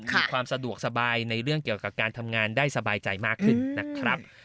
มีความสะดวกสบายในเรื่องเกี่ยวกับการทำงานได้สบายใจมากขึ้นนะครับ